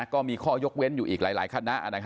ก็มีข้อยกเว้นอยู่อีกหลายขั้นแนว